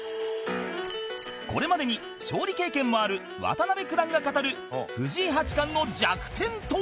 これまでに勝利経験もある渡辺九段が語る藤井八冠の弱点とは？